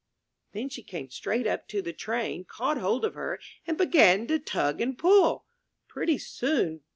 Then she came straight up to the Train, caught hold of her, and began to tug and pull. Pretty soon.